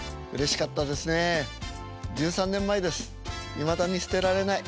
いまだに捨てられない。